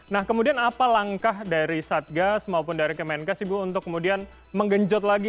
nah kemudian apa langkah dari satgas maupun dari kemenkes ibu untuk kemudian menggenjot lagi